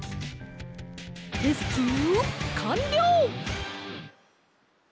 レスキューかんりょう！